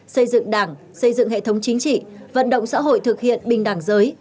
xây dựng đảng xây dựng hệ thống chính trị vận động xã hội thực hiện bình đẳng giới